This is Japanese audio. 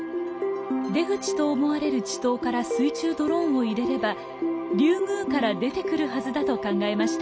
出口と思われる池溏から水中ドローンを入れれば竜宮から出てくるはずだと考えました。